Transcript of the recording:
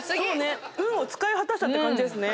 運を使い果たしたって感じですね。